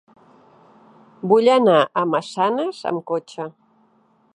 Vull anar a Massanes amb cotxe.